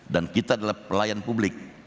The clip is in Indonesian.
dan kita adalah pelayan publik